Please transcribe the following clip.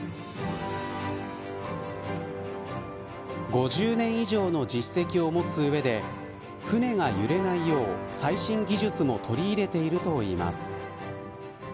５０年以上の実績を持つ上で船が揺れないよう最新技術も取り入れているといいます。